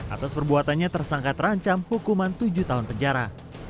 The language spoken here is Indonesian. atas perbuatannya tersangka terancam hukuman tujuh tahun penjara